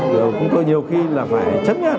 rồi cũng có nhiều khi là phải chấp nhận